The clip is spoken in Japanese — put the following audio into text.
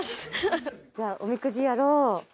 じゃあおみくじやろう。